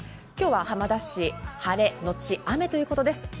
今日は浜田市晴れのち雨ということです。